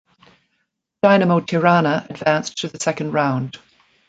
Dinamo Tirana advanced to the second round.